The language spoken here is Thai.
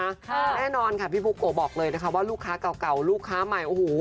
แน่นอนค่ะพี่บุโกะบอกเลยนะคะว่าลูกค้าเก่าเก่าลูกค้าใหม่โอ้โห